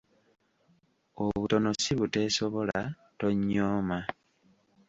Obutono si buteesobula, tonnyooma.